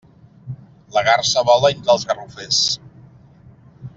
La garsa vola entre els garrofers.